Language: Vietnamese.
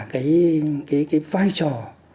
cái vai trò